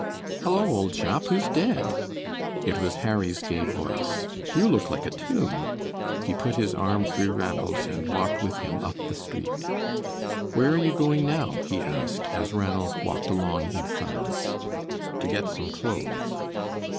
"Hello, old chap, who's dead?" It was Harry's gay voice. "You look like a tomb." He put his arm through Ranald's and walked with him up the street. "Where are you going now?" he asked, as Ranald walked along in silence. "To get some clothes."